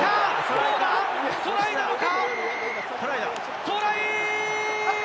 どうだ、トライなのか？